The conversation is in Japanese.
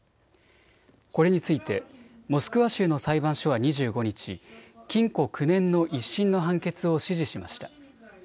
これについてモスクワ州の裁判所は２５日、禁錮９年の１審の判決を支持しました。